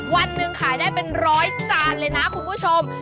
วันหนึ่งขายได้เป็นร้อยจานเลยนะคุณผู้ชม